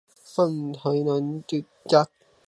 放台南的假消息